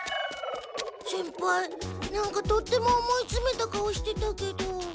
先輩なんかとっても思いつめた顔してたけど。